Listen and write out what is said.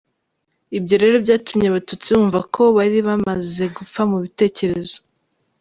Ibyo rero byatumye Abatutsi bumva ko bari bamaze gupfa mu bitekerezo.